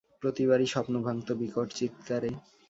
প্রতিবারই স্বপ্ন ভাঙত বিকট চিৎকারে।